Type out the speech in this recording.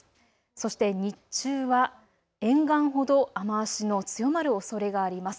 そして日中は沿岸ほど雨足の強まるおそれがあります。